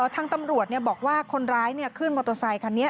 ทางตำรวจบอกว่าคนร้ายขึ้นมอเตอร์ไซคันนี้